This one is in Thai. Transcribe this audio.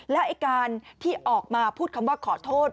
และการที่ออกมาพูดคำว่าขอโทษ